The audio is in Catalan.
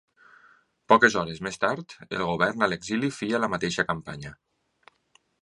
Poques hores més tard, el govern a l’exili feia la mateixa campanya.